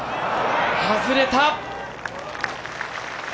外れた。